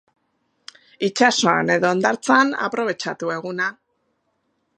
Itsasoan edo hondartzan, aprobetxatu eguna!